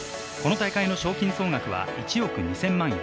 この大会の賞金総額は１億２０００万円。